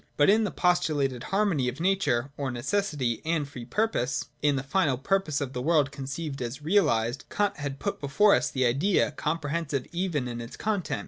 But in the postulated har mony of nature (or necessity) and free purpose, — in the final purpose of the world conceived as realised, Kant has put before us the Idea, comprehensive even in its content.